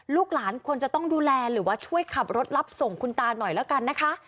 ลูกหลานควรจะต้องดูแลหรือว่าช่วยขับรถรับส่งคุณตาหน่อยแล้วกันนะคะ